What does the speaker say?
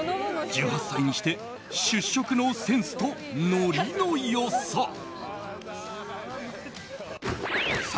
１８歳にして、出色のセンスとノリの良さ。